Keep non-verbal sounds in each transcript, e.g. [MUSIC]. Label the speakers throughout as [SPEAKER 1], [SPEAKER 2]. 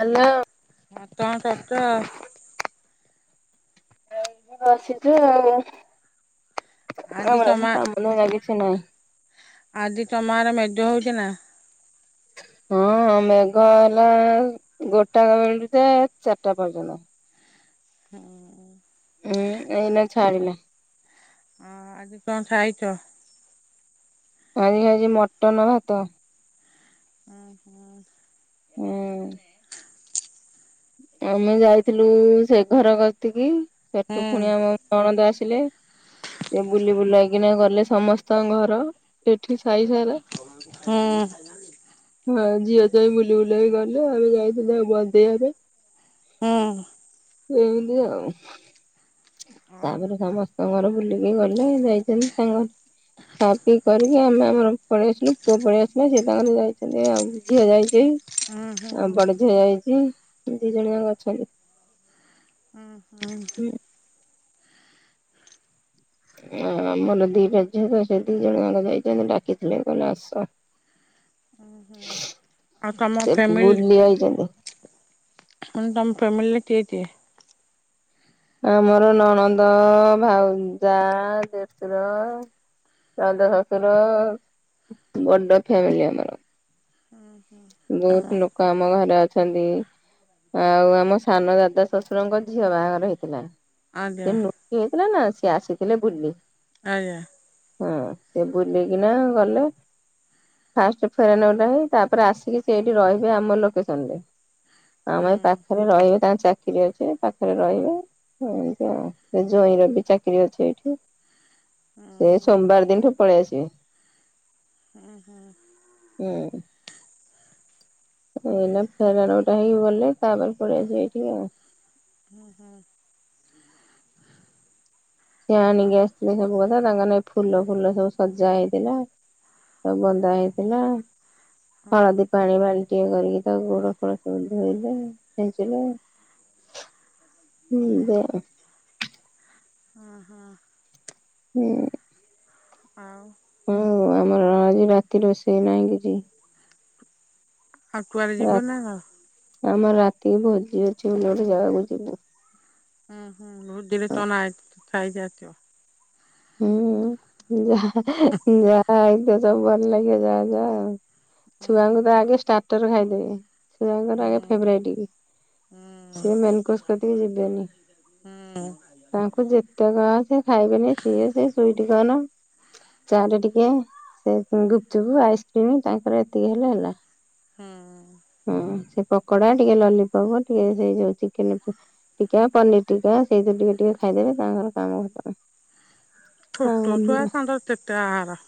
[SPEAKER 1] Hello.
[SPEAKER 2] ହଁ କଣ କରୁଛ?
[SPEAKER 1] ଏଇଠି ବସିଛି ଆଉ ଆମର ଆଜି କାମ ଧନ୍ଦା କିଛି ନାହିଁ।
[SPEAKER 2] ଆଜି ତମ ଆଡ଼େ ମେଜହେଉ ଥିଲା?
[SPEAKER 1] ହଁ ମେଘ ହେଲା ଗୋଟା ବେଳକୁ ତ ଯେ ଚାରିଟା ପର୍ଯ୍ୟନ୍ତ।
[SPEAKER 2] ହୁଁ।
[SPEAKER 1] ହୁଁ ଏଇନା ଛାଡିଲା।
[SPEAKER 2] ହ ଆଜି କଣ ଖାଇଛ?
[SPEAKER 1] ମୁଁ ଆଜି ଖାଇଛି ମଟନ ଭାତ। ହୁଁ
[SPEAKER 2] ହୁଁ ହୁଁ।
[SPEAKER 1] ଆମେ ଯାଇଥିଲୁ ସେ ଘର କ ଗତିକି। ସେଠୁ ପୁଣି
[SPEAKER 2] ହୁଁ
[SPEAKER 1] ଆମ ନଣନ୍ଦ ଆସିଲେ ସେ ବୁଲି ବୁଲାଇକିନା ଗଲେ ସମ ସମସ୍ତ ଙ୍କ ଘର ଏଠି ସାହି ସାରା। ହଁ ଝିଅ ଯାଇ ବୁଲି ବୁଲା ବି ଗଲେ ଆମେ ଯାଇଥିଲେ ବନ୍ଦେଇ ଘରେ।
[SPEAKER 2] ହଁ।
[SPEAKER 1] ଏମିତି ଆଉ
[SPEAKER 2] ଆଉ
[SPEAKER 1] ତାପରେ ସମ ତା ଘର ବୁଲିକି ଗଲେ ଯାଇଛନ୍ତି ତାଙ୍କର ଖା ପିଇ କରିକି ଆମେ ଆମର ପଳେଇଆସିଲୁ ପୁଅ ପଳେଇଆସିଲ ସେ ତାଙ୍କର ଯାଇଛନ୍ତି ଆଉ। ଝିଅ ଯାଇଛି
[SPEAKER 2] ହୁଁ ହୁଁ
[SPEAKER 1] ଆଉ ବଡ ଝିଅ ଯାଇଛି ଦି ଜଣ ଯାଙ୍କ ଅଛନ୍ତି।
[SPEAKER 2] ଉଁ ହୁଁ।
[SPEAKER 1] ଆ ଆମର ଦିଟା ଝିଅ ତ ସେ ଦି ଜଣ ଜାଙ୍କ ଯାଇଛନ୍ତି ଡାକିଥିଲେ କହିଲେ ଆସ।
[SPEAKER 2] ଉଁ ହୁଁ ଆଉ ତମ
[SPEAKER 1] ସେ
[SPEAKER 2] ଫ୍ୟାମିଲ
[SPEAKER 1] ବୁଲି ଆଇଛନ୍ତି
[SPEAKER 2] ଉଁ ମୁଁ ତମ ଫ୍ୟାମିଲରେ ତିଏ ତିଏ।
[SPEAKER 1] ଆମର ନଣନ୍ଦ ଭାଉ ଯା ଦେଡ଼ସୁର। ଦାଦା ଶାଶୁର ବଡ ଫ୍ୟାମିଲି ଆମର।
[SPEAKER 2] ହୁଁ ହୁଁ।
[SPEAKER 1] ବହୁତ ଲୋକ ଆମ ଘରେ ଅଛନ୍ତି। ଆଉ ଆମ ସାନ ଦାଦା ଶଶୁରଙ୍କ ଝିଅ ବାହାଘର ହେଇଥିଲା।
[SPEAKER 2] ଆଜ୍ଞା
[SPEAKER 1] ସେ ନୃଟି ହେଇଥିଲା ନା ସିଏ ଆସିଥିଲେ ବୁଲି।
[SPEAKER 2] ଆଜ୍ଞା।
[SPEAKER 1] ହଁ ସେ ବୁଲିକିନା ଗଲେ। ଫାଷ୍ଟ ଫେର ନଟା ହେଇ ତାପରେ ଆସ। ସେଇଠି ରହିବେ ଆମ ଲୋକେସନରେ
[SPEAKER 2] ହୁଁ
[SPEAKER 1] ଆମ ଏ ପାଖରେ ରହିବେ ତାଙ୍କ ଚା କିରି ଅଛି ପାଖରେ ରହିବେ। ହୁଁ ଏମିତି ସେ ଯୋଇଁ ର ବି ଚାକିରି ଅଛି ଏଇଠି।
[SPEAKER 2] ହୁଁ
[SPEAKER 1] ସେ ସୋମବାର ଦିନଠୁ ପଳେଇ ଆସିବେ।
[SPEAKER 2] ହୁଁ ହୁଁ।
[SPEAKER 1] ହୁଁ। ଏଇନା ଫେରଣ ଉଟା ହେଇକି ଗଲେ ତାପରେ ପଳେଇ ଆସିବ ଏଇଠିକି ଆଉ।
[SPEAKER 2] ହୁଁ ହୁଁ।
[SPEAKER 1] ସି ଆଣିକି ଆସିଥିଲେ ସବୁ କଥା ତାଙ୍କର ନାଗି ଫୁଲ ଫୁଲ ସବୁ ସଜା ହେଇଥିଲା। ତ ବନ୍ଧା ହେଇଥିଲା
[SPEAKER 2] ହଁ
[SPEAKER 1] ହଳଦୀ ପାଣି ମାଳି। ଟିଏ କରିକି ତାକୁ ଗୋଡ ଫୋଡ ସବୁ ଧୋଇଲେ ଛିଞ୍ଚିଲେ। ହୁଁ ଏନ୍ତି
[SPEAKER 2] ହଁ ହଁ।
[SPEAKER 1] ହୁଁ।
[SPEAKER 2] ହଁ।
[SPEAKER 1] ହଁ ଆମର ଆଜି ରାତି ରୋଷେଇ ନାହିଁ କିଛି
[SPEAKER 2] ଆଉ କୁଆଡେ
[SPEAKER 1] ରା
[SPEAKER 2] ଯିବ ନା କଣ?
[SPEAKER 1] ଆମର ରାତିକି ଭୋଜି ଅଛି ଗୋଟେ ଗୋଟେ ଜାଗାକୁ ଯିବୁ।
[SPEAKER 2] ହୁଁ ହୁଁ ବହୁତ ଦିନରେ ତନାଇ ଖାଇଯାଇ ଥିବ
[SPEAKER 1] ହୁଁ ଯାହା ଯାହା ଏଇତ ସବୁ ଭଲ ଲାଗେ ଯାହା ଯା ଆଉ।
[SPEAKER 2] ହୁଁ
[SPEAKER 1] ଛୁଆଙ୍କୁ
[SPEAKER 2] ହୁଁ
[SPEAKER 1] ତ ଆଗେ ଷ୍ଟାର୍ଟର ଖାଇଦେବେ
[SPEAKER 2] ହୁଁ
[SPEAKER 1] ଛୁଆଙ୍କର ଆଗ ଫେବରାଇଟ।
[SPEAKER 2] ହୁଁ
[SPEAKER 1] ସିଏ ମେନକୋସ କତିକି ଯିବେନି
[SPEAKER 2] ହୁଁ
[SPEAKER 1] ତାଙ୍କୁ ଯେ ତକ ସେ ଖାଇବେନି ସିଏ ସେ ସୁଇଟ କନ ଚା ଟରେ ଟିକେ ସେ ଗୁପଚୁପ୍ ଆଇସ୍କ୍ରିମ ତାଙ୍କର ଏତିକି ହେଲା ହେଲା।
[SPEAKER 2] ହଁ।
[SPEAKER 1] ହଁ ସେ ପକୋଡା ଟିକେ ଲଲିପପ ଟିକେ ସେଇ ଯୋଉ ଚିକେନ ପି ଟୀକା ପନିର ଟୀକା ସେଇଥିବୁ ଟିକେ ଟିକେ ଖାଇଦେବେ ତାଙ୍କର କାମ ଖତମ।
[SPEAKER 2] ଛୋଟଛୁଆ
[SPEAKER 1] ହଁ
[SPEAKER 2] ତାଙ୍କ କେତେ ଆହାର?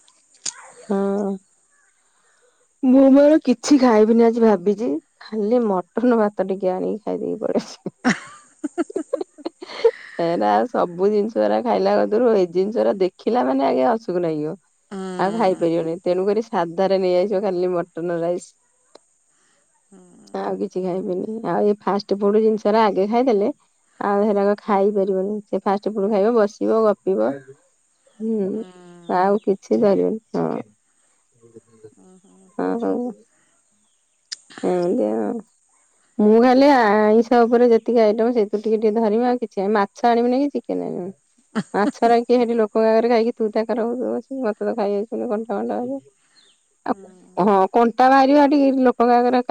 [SPEAKER 1] ହଁ। ମୁଁ ମୋର କିଛି ଖାଇବିନି ଆଜି ଭାବିଛି। ଖାଲି ମଟନ ଭାତ ଟିକେ ଆଣିକି ଖାଇଦେଇକି ପଳେ ଆ
[SPEAKER 2] ଆ ହୁଁ ହିଁ
[SPEAKER 1] ଏରା ସବୁ ଜିନିଷା ଖାଇଲା କତୁରୁ ଏଇ ଜିନିଷଟା ଦେଖିଲା ମାନେ ଆଜ୍ଞା ଅସୁଖୁ ଲାଗିବ। ଆଉ
[SPEAKER 2] ହୁଁ
[SPEAKER 1] ଖାଇପାରିବନି ତେଣୁ କରି ସାଧାରେ ନେଇ ଆସିବ ଖାଲି ମଟନ ରାଇସ। ଆଉ କିଛି ଖାଇବିନି ଆଉ ଏ ଫାଷ୍ଟ ଫୁଡ ଜିନିଷରା ଆଗେ ଖାଇଦେଲେ ଆଉ ହେରାକ ଖାଇପାରିବନି ସେ ଫାଷ୍ଟ ଫୁଡ ଖାଇବ ବସିବ ଗପିବ। ହୁଁ ଆଉ କିଛି କରିବନି ହଁ।
[SPEAKER 2] ଓ ହୁଁ।
[SPEAKER 1] ଓଉ ହଉ ହଁମତିଆ ମୁଁ ଖାଲି ଆଇଁଷ ଉପରେ ଯେତିକି ଆଇଟମ୍ ସେଇଥିୁ ଟିକେ ଟିକେ ଧରିମି ଆଉ କିଛି ମା ଆଛ ଆଣିବୁନି କି ଚିକେନ ଆଣିବି ଆଛା କି କୁଁ ଆଗରେ ଖାଇକି ତୁ ଦୋଉୁ ମତେ ତ ଖାଇଆାଉଛୁ ଘଣ୍ଟା ଘଣ୍ଟାା ଆଉ ହଁ କଣ୍ଟା ବାହାରିବା ଟିକେୋକ ଟଙ୍କାର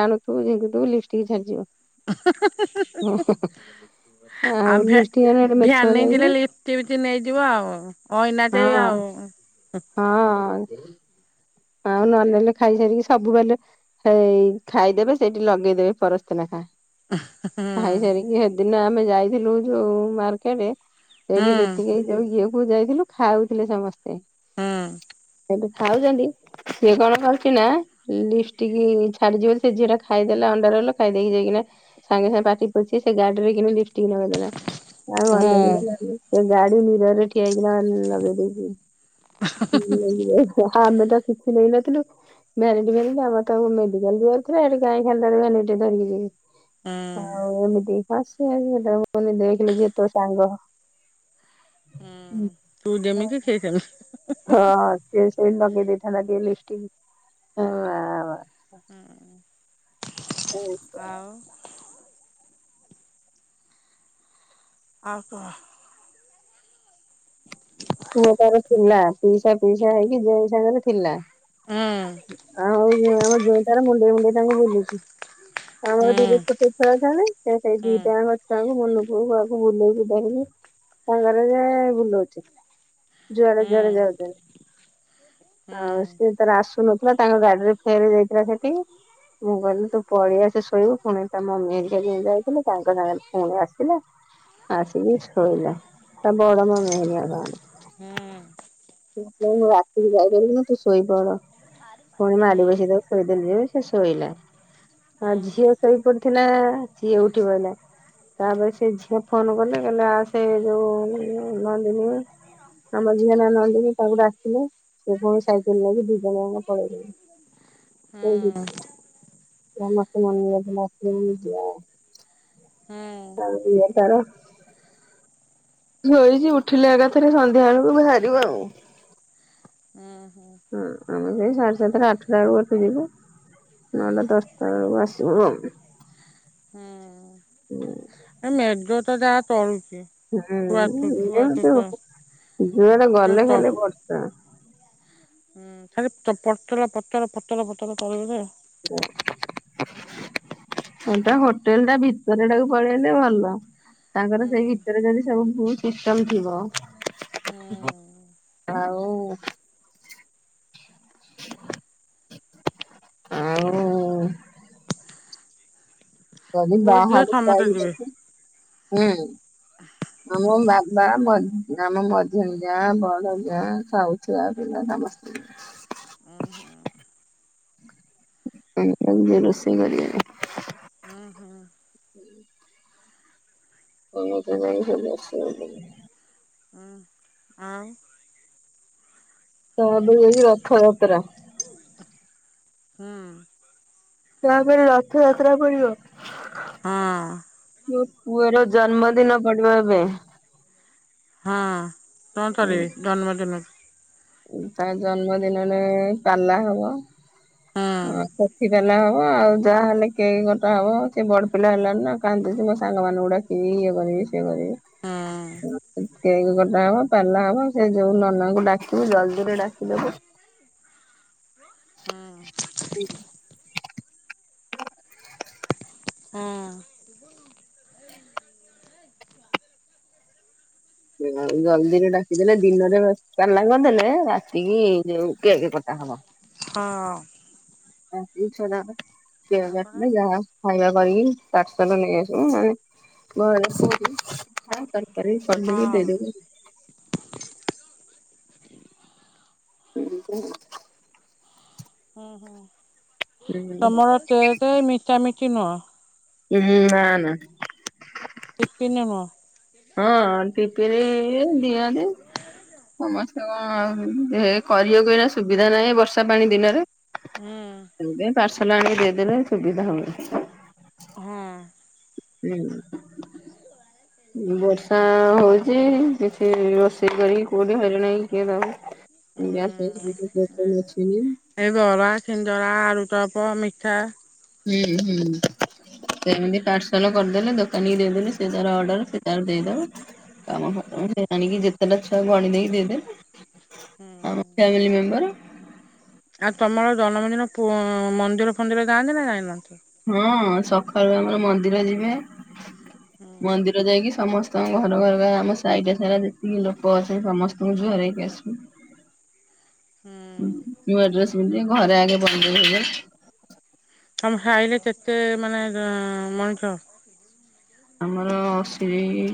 [SPEAKER 1] ଟାଣୁଥୁିଙ୍କିବୁ ଲି ଝାଡ଼ିଯିବ
[SPEAKER 2] ହ
[SPEAKER 1] ହଁ
[SPEAKER 2] ଆଉ ଭ୍ୟାନ ନେଇଥିଲେ ଲିପ୍୍ଟି ନେଇଯିବ ଆଉ ଅଇନାଟ
[SPEAKER 1] ହଁ।
[SPEAKER 2] ଆଉ
[SPEAKER 1] ହଁ ଆଉ ନନେଲେ ଖାଇସାରିକି ସବୁବେଲେ ହେଇ ଖାଇଦେବେ ସେଇଠି ଲଗେଇଦେବେ ପରସ୍ନା ଖାଁ
[SPEAKER 2] ହୁଁ
[SPEAKER 1] ଖାଇସାରିକି ସେଦିନ ଆମେ ଯାଇଥିଲୁ ଯୋଉ ମାର୍କେଟରେ ସେଇଠି
[SPEAKER 2] ହୁଁ
[SPEAKER 1] ଯେତିକି ଯଏ ବୁ ଯାଇଥିଲୁ ଖାଉଥିଲେ
[SPEAKER 2] ହୁଁ
[SPEAKER 1] ସମସ୍ତେବେ ଖାଉଛନ୍ତି ସିଏ କଣ କରୁଛି ନା ଲିପ କି ଛାଡିଯିବ ବୋଲି ସେ ଝିଅ ଟା ଖାଇଦେଲା ଅଣ୍ଡାର ହେଲ ଖାଇଦେଇକି ଯାଇକିନା ସାଙ୍ଗେ ସାଙ୍ଗେ ପାଟି ପଛି ସେ ଗାଡିରେ କି ଲିଫ ନଗଦେଲା ଆଉ
[SPEAKER 2] ହୁଁ
[SPEAKER 1] କି ଗାଡି ନିରରେ ଆଗନା ନବ ଦେି ଆମେ ତ କିଛି ନେଇନଥିଲୁ ମୋରଟି ମୋର ଆମର ତାକୁ ମେଡିକାଲ ଯିବାରୁ ଥିଲା ଏଠି ଗାଈ ଖାନ୍ତାଡ ଟିକେ ଧରିକି ଯିବି
[SPEAKER 2] ହୁଁ
[SPEAKER 1] ଆଉ ଏମିତି ହଁ ସେ ମୁୁନି ଦେଖିଲି ଯି ତୋ ସାଙ୍ଗ
[SPEAKER 2] ହୁଁ ତୁ ଯେମିତି ସେ ସେମିତି
[SPEAKER 1] ହ ସେ ସେଇ ଲଗେଇ ଦେଇଥାନ୍ତା ଟିକେ ଲିପସ୍ଟିକ
[SPEAKER 2] ହୁଁ ଆଉ ଆଉ କହ
[SPEAKER 1] ପୁଅ ତାର ଥିଲା ପିଇସା ପିଇସା ହେଇକି ଜଇ ସାଙ୍ଗରେ ଥିଲା
[SPEAKER 2] ହୁଁ
[SPEAKER 1] ଆଉ ଆମ ଜୋଇଁ ତାର ମୁଣ୍ଡେଇ ମୁୁଣ୍ଡେଇ ତାଙ୍କୁ ବୁଲୁଛି ଆମର
[SPEAKER 2] ହୁଁ
[SPEAKER 1] ଦିଦି ଛୋଟ ଛୁଆ ଅଛନ୍ତି ସେଇ
[SPEAKER 2] ହୁଁ ହୁଁ
[SPEAKER 1] ଦିଟାର ଛୁଆଙ୍କୁ ମନ କୁ ତାକୁ ବୁଲାଉଛନ୍ତି କି ତାକୁ ସାଙ୍ଗରେ ରେ ଯେ ଭୁଲଉଛି ଜୁଆଡ
[SPEAKER 2] ହୁଁ
[SPEAKER 1] ଜୁଆଡ
[SPEAKER 2] ହୁଁ ହୁଁ
[SPEAKER 1] ଯାଉଛନ୍ତି
[SPEAKER 2] ହୁଁ
[SPEAKER 1] ଆଉ ସେ ର ଆସୁନଥିଲା ତାଙ୍କ ଗାଡିରେ ଫେରି ଯାଇଥିଲା ସେଠି ମୁଁ କହିଲି ତୁ ପଳେଇଆସେ ଶୋଇବୁ ପୁଣି ତା ମମି ଯାଇଥିଲି ତାଙ୍କ ସାଙ୍ଗରେ ପୁଣି ଆସିଲା ଆସିକି ଶୋଇଲା ତା ବଡ଼ ମମୀ ହେରିକା ସାଙ୍ଗରେ
[SPEAKER 2] ହୁଁ
[SPEAKER 1] ମୁଁ ରାତିକି ଯାଇପାରିବିନି ଶୋଇପଡ ପୁଣି ମାଡି ବସିକି ତାକୁ ଖୁଏଇଦେଲି ଜେ ସେ ଶୋଇଲା ଆଁ ଝିଅ ଶୋଇ ପଡିଥିଲା ସିଏ ଉଠିପଡ଼ିଲା ତାପରେ ସେ ଝିଅ ଫୋନ୍ କଲେ କହିଲେ ଆସେ ଯେଉ ନଅନ୍ଦିନି ଆମର ଝିଅ ନା ନନ୍ଦିନୀ ତାକୁ ଡାକିଲେ ସେ ପୁଣି ସାଇକେଲ ନେଇକି ଦି ଜଣ ଯାକ ପଳେଇଲେ
[SPEAKER 2] ହୁଁ
[SPEAKER 1] [UNINTELLIGIBLE]
[SPEAKER 2] ହୁଁ
[SPEAKER 1] ହଉ ସିଏ ତାର ଧୋଇଛି ଉଠିଲେ ଏକାଥରେ ସନ୍ଧ୍ୟାବେଳକୁ ବାହାରିବୁ ଆଉ
[SPEAKER 2] ହଁ ହୁଁ
[SPEAKER 1] ହଁ ଆମେ ଯାଇ ସାଢେ ସାତଟା ଆଠଟା ବେଳକୁ ଏଠୁ ଯିବୁ ନଅଟା ଦଶଟା ବେଳକୁ ଆସିବୁ ଆଉ
[SPEAKER 2] ହଁ
[SPEAKER 1] ହ
[SPEAKER 2] [UNINTELLIGIBLE] ଥୁଆଥୁ ଥୁଆଥୁ ଥୁଆ
[SPEAKER 1] [UNINTELLIGIBLE] ଯୁଆଡେ
[SPEAKER 2] ଯୋଉ
[SPEAKER 1] ଗଲେ
[SPEAKER 2] ତ
[SPEAKER 1] ଖାଲି ବର୍ଷା।
[SPEAKER 2] ହୁଁ ଖ ପତର ପତର ପତର ପତର [UNINTELLIGIBLE]
[SPEAKER 1] ହ ଟ ହୋଟେଲ ଟା ଭିତରେ ଟାକୁ ପଳେଇଲେ ଭଲ ତାଙ୍କର ସେଇ ଭିତରେ ଯଦି ସବୁ ଭୁଲ ସିଷ୍ଟମ ଥିବ।
[SPEAKER 2] ହୁଁ।
[SPEAKER 1] ଆଉ ଆଉ ଆଜି
[SPEAKER 2] ପୁଅ ଝିଅ
[SPEAKER 1] ବାହାରୁ
[SPEAKER 2] ସମସ୍ତେ ଯିବେ
[SPEAKER 1] [UNINTELLIGIBLE] ଆମ ବାବା ଆମ ମଝିଆ ଯା ବଡ ଯା ସାଉ ଛୁଆ ପିଲା ସମସ୍ତେ।
[SPEAKER 2] ଓଁ ହଁ
[SPEAKER 1] ରୋଷେଇ କରିବା
[SPEAKER 2] ହୁଁ ହୁଁ
[SPEAKER 1] ହୁଁ [UNINTELLIGIBLE]
[SPEAKER 2] [INAUDIBLE] ଆଁ
[SPEAKER 1] ତ ଏବେ ଯାଇଛି ରଥଯାତ୍ରା
[SPEAKER 2] ହୁଁ
[SPEAKER 1] ତାପରେ ରଥ ଯାତ୍ରା ପଡିବ
[SPEAKER 2] ହଁ
[SPEAKER 1] ମୋ ପୁଅର ଜନ୍ମଦିନ ପଡିବ ଏବେ
[SPEAKER 2] ହଁ କଣ
[SPEAKER 1] ହୁଁ
[SPEAKER 2] ଚାଲିିବ ଜନ୍ମଦିନ
[SPEAKER 1] ତା ଜନ୍ମଦିନରେ ପାଲା ହବ
[SPEAKER 2] ହୁଁ
[SPEAKER 1] ହଁ ସେଠିପଲା ହବ ଆଉ ଯାହାହେଲେ କେକ କଟା ହବ ସେ ବଡ ପିଲା ହେଲାଣି ନା କାନ୍ଦୁଛି ମୋ ସାଙ୍ଗମାନଙ୍କୁ ଡାକିବି ଇଏ କରିବି ସିଏ କରିବି।
[SPEAKER 2] ହୁଁ
[SPEAKER 1] କେକ୍ କଟା ହବା ପାଲା ହବ ସେ ଯୋଉ ନନାଙ୍କୁ ଡାକିବି ଜଲଦିରେ ଡାକିଦବୁ
[SPEAKER 2] ହୁଁ।
[SPEAKER 1] ହୁଁ
[SPEAKER 2] ହଁ। ତବ
[SPEAKER 1] ଜଲ୍ଦିରେ ଡାକିଦେଲେ ଦିନରେ ପାଲା କରିଦେଲେ ରାତିକି ଯେଉଁ କେକ କଟା ହବ।
[SPEAKER 2] ହଁ।
[SPEAKER 1] [UNINTELLIGIBLE]
[SPEAKER 2] ତାପରେ
[SPEAKER 1] ଖାଇବା କରିକି ପାର୍ସଲ ନେଇ ଆସିବୁ ମେ [UNINTELLIGIBLE] ତରକାରୀ ପି
[SPEAKER 2] ହଁ
[SPEAKER 1] ଦେଇଦବ ହୁ
[SPEAKER 2] ହୁଁ ହୁଁ
[SPEAKER 1] ହୁଁ
[SPEAKER 2] ତମର ତଟ ମିଠା ମିଠି ନୁହଁ।
[SPEAKER 1] ହୁଁ ନା ନା
[SPEAKER 2] [UNINTELLIGIBLE]
[SPEAKER 1] ହଁ [UNINTELLIGIBLE] ଦିଆନ୍ତି। ସମସ୍ତେ କଣ କରିବାକୁ ଏଇନା ସୁବିଧା ନାହିଁ ବର୍ଷା ପାଣି ଦିନରେ
[SPEAKER 2] ହୁଁ।
[SPEAKER 1] ପାର୍ସଲ ଆଣିକି ଦେଇଦେଲେ ସୁବିଧା ହୁଏ।
[SPEAKER 2] ହଁ
[SPEAKER 1] ହୁଁ ବର୍ଷା ହଉଛି କିଛି ରୋଷେଇ କରି କୋଉଠି ହଇରାଣ କିଏ ଦବ। [UNINTELLIGIBLE]
[SPEAKER 2] ଏ ବରା ସିନ୍ଦରା ଆଳୁଚପ ମିଠା
[SPEAKER 1] ହୁଁ ହୁଁ। ସେମତି ପାର୍ସଲ କରିଦେଲେ ଦୋକାନୀକି ଦେଇଦେଲେ ସିଏ ତାର ଅର୍ଡର ସିଏ ତାର ଦେଇଦବ। [UNINTELLIGIBLE] ଗଣିକି ଯେତେଟା ଛୁଆ ଗଣି ଦେଇ ଦେବେ
[SPEAKER 2] ହୁଁ
[SPEAKER 1] ଆମ ପ୍ରାଇମେରୀ ମେମ୍ବର।
[SPEAKER 2] ଆଉ ତମର ଜନ୍ମଦିନ ପୁ ଉଁ ମନ୍ଦିର ଫନ୍ଦିର ଯାଆନ୍ତି ନା ନାଇଁ ଯାଆନ୍ତିନି।
[SPEAKER 1] ହଁ ସଖାଳୁ ଆମର ମନ୍ଦିର ଯିବେ ମନ୍ଦିର ଯାଇକି ସମସ୍ ସ୍ତଙ୍କ ଘର ଘର ଆମ ସାଇଟା ସାରା ଯେତିକି ଲୋକ ଅଛନ୍ତି ସମସ୍ତଙ୍କୁ ଜୁହାର ହେଇକି ଆସିବୁ।
[SPEAKER 2] ହୁଁ
[SPEAKER 1] ଉଁ ନୂଆ ଡ୍ରେସ୍ ପିନ୍ଧି ଘରେ ଆଗେ ବନ୍ଦେଇ ହେବେ।
[SPEAKER 2] ତମ ସାଇରେ କେତେ ମାନେ ଜଁ ମଣିଷ?
[SPEAKER 1] ଆମର ସ୍ରେଇ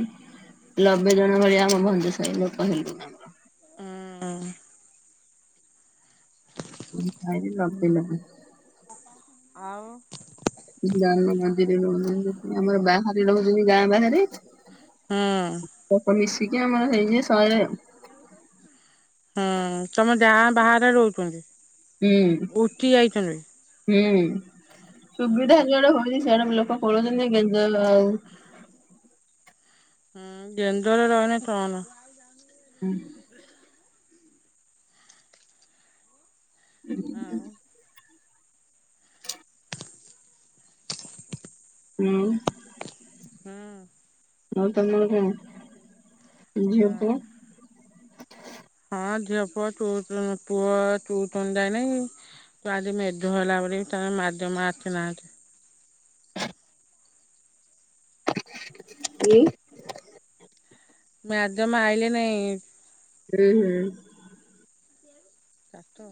[SPEAKER 1] ଲବେ ଜଣ ଭଳିଆ ହବ ଇନ୍ତି ସାଇ ଲୋକ ହେଲେ [UNINTELLIGIBLE]
[SPEAKER 2] ଆଁ
[SPEAKER 1] ଉଁ ଭାରି ଲବେ ଲବେ।
[SPEAKER 2] ଆଉ
[SPEAKER 1] କିଛି ଗାଁ [UNINTELLIGIBLE] ରହୁଛନ୍ତି ଆମର ବାହାରେ ରହୁଛନ୍ତି ଗାଁ ବାହାରେ।
[SPEAKER 2] ହୁଁ
[SPEAKER 1] ତକ ମିଶିକି ଆମର ହେଇଯିବେ ଶଏ ଆଉ।
[SPEAKER 2] [INAUDIBLE] ହଁ ତମ ଗାଁ ବାହାରେ ରହୁଚନ୍ତି।
[SPEAKER 1] ହୁଁ ହୁଁ ସୁବିଧା ଜୁଆଡେ ରହିବେ ସିଆଡେ ଲୋକ। ପଳଉଚନ୍ତି ଗେଞ୍ଜ ହେଲା ଆଉ।
[SPEAKER 2] ହୁଁ ଗେଞ୍ଜରେ ରହିନେ କନ।
[SPEAKER 1] [INAUDIBLE]
[SPEAKER 2] ଆଉ
[SPEAKER 1] [INAUDIBLE] ହୁଁ।
[SPEAKER 2] ହୁଁ।
[SPEAKER 1] ଆଉ ତମର କଣ ଝିଅ ପୁଅ?
[SPEAKER 2] ହଁ ଝିଅ ପୁଅ ଟୁସୁନ୍ ପୁଅ ଟିଉଛନ୍ ଯାଇନାହିଁ। ତ‌ ଆଜି ମେଘ ହେଲା ବୋଲିକି ତାଙ୍କ ମ୍ୟାଦାମ୍ ଆସିନାହାନ୍ତି।
[SPEAKER 1] ଉଁ
[SPEAKER 2] ମ୍ୟାଦାମ୍ ଆଇଲେ ନାଇଁ।
[SPEAKER 1] ହୁଁ ହୁଁ।
[SPEAKER 2] କାଟ।